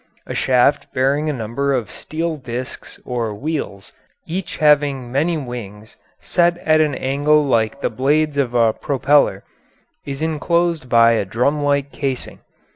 A shaft bearing a number of steel disks or wheels, each having many wings set at an angle like the blades of a propeller, is enclosed by a drumlike casing.